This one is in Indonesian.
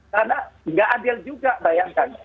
karena tidak adil juga bayangkan